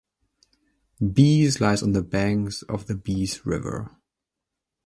Beas lies on the banks of the Beas River.